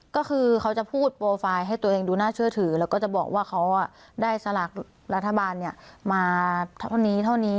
ก็คือเขาจะพูดโปรไฟล์ให้ตัวเองดูน่าเชื่อถือแล้วก็จะบอกว่าเขาได้สลากรัฐบาลมาเท่านี้เท่านี้